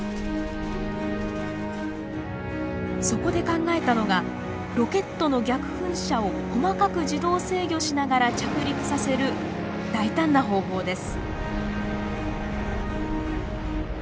そこで考えたのがロケットの逆噴射を細かく自動制御しながら着陸させる大胆な方法です。